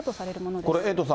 これ、エイトさん